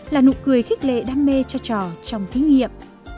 là nụ cười khích lệ đam mê cho trò trong thí nghiệm